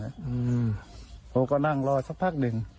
เขาก็นั่งรอสักพักหนึ่ง